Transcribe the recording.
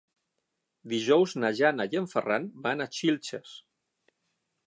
Dijous na Jana i en Ferran van a Xilxes.